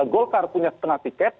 golkar punya setengah tiket